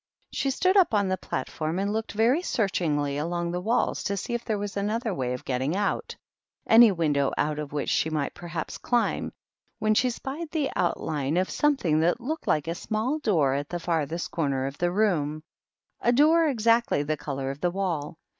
She stood up on the platform and looked very searchingly along the walls to see if there was any other way of getting out, any window out of which she might perhaps climb, when she spied the outline of something that looked like a small door at the farthest corner of the room, — a door exactly the color of the wall.